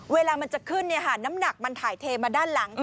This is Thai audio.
เวลามันจะขึ้นน้ำหนักมันถ่ายเทมาด้านหลัง